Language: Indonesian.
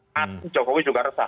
tapi jokowi juga resah